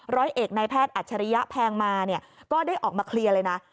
ร้อยเอกนายแพทย์อัจฉริยะแพงมาเนี่ยก็ได้ออกมาเคลียร์เลยนะ